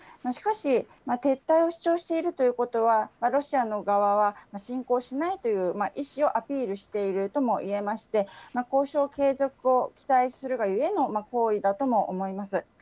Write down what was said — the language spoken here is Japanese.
しかし、撤退を主張しているということは、ロシアの側は侵攻しないという意志をアピールしているとも言えまして、交渉継続を期待するがゆえの行為だとも思います。